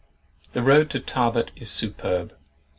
The road to Tarbet is superb.